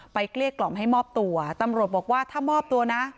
เกลี้ยกล่อมให้มอบตัวตำรวจบอกว่าถ้ามอบตัวนะ